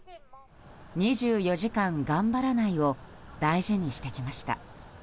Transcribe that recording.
２４時間がんばらないを大事にしてきました。